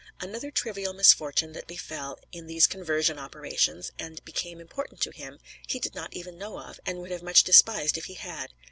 Another trivial misfortune that befell in these conversion operations, and became important to him, he did not even know of, and would have much despised if he had.